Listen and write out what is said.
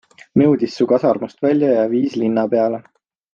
Nõudis Su kasarmust välja ja viis linna peale.